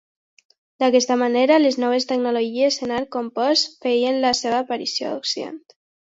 D'aquesta manera, les noves tecnologies en arc compost feien la seva aparició a Occident.